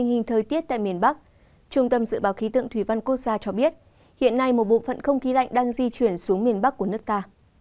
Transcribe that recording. hiện nay một bộ phận không khí lạnh đang di chuyển xuống miền bắc của nước ta